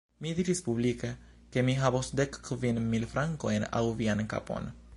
Mi diris publike, ke mi havos dek kvin mil frankojn aŭ vian kapon.